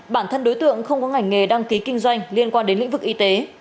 bản thân đối tượng không có ngành nghề đăng ký kinh doanh liên quan đến lĩnh vực y tế